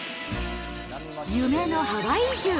夢のハワイ移住。